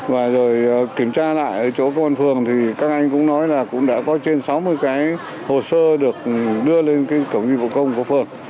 và rồi kiểm tra lại ở chỗ công an phường thì các anh cũng nói là cũng đã có trên sáu mươi cái hồ sơ được đưa lên cái cổng dịch vụ công của phường